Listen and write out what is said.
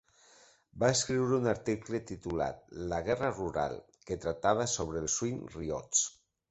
Va escriure un article titulat "La guerra rural" que tractava sobre els Swing Riots.